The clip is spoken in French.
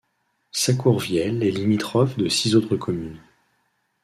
Saccourvielle est limitrophe de six autres communes.